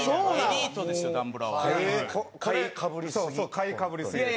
買いかぶりすぎ。